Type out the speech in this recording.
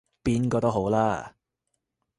邊個都好啦